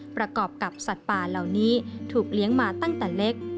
ประกอบกับสัตว์ป่าเหล่านี้ถูกเลี้ยงมาตั้งแต่เล็ก